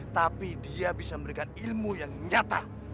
tapi dia bisa memberikan ilmu yang nyata